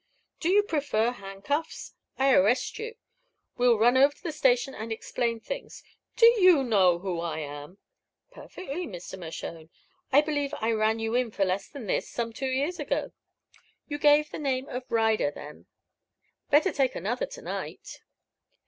"Do you prefer handcuffs? I arrest you. We'll run over to the station and explain things." "Do you know who I am?" "Perfectly, Mr. Mershone. I believe I ran you in for less than this, some two years ago. You gave the name of Ryder, then. Better take another, to night."